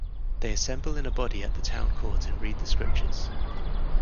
They assemble in a body at the Town Court and read the scriptures.